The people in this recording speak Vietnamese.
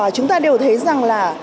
chúng ta đều thấy rằng là